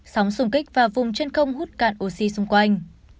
sóng sùng kích và vùng chân không hút cạn oxy xung quanh